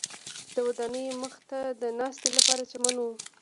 د ودانیو مخ ته د ناستې لپاره چمن و.